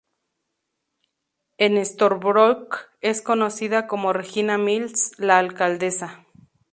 En Storybrooke, es conocida como Regina Mills, la Alcaldesa.